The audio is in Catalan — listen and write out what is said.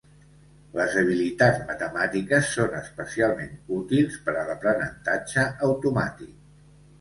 Les habilitats matemàtiques són especialment útils per a l'aprenentatge automàtic.